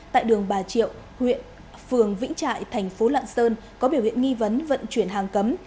tại đường bà triệu huyện phường vĩnh trại thành phố lạng sơn có biểu hiện nghi vấn vận chuyển hàng cấm